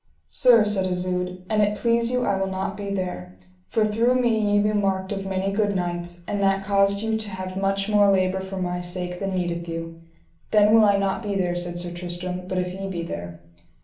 Sir, said Isoud, an it please you I will not be there, for through me ye be marked of many good knights, and that caused you to have much more labour for my sake than needeth you. Then will I not be there, said Sir Tristram, but if ye be there.